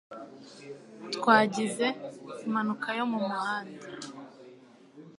Twagize impanuka yo mu muhanda